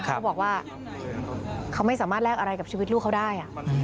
เขาบอกว่าเขาไม่สามารถแลกอะไรกับชีวิตลูกเขาได้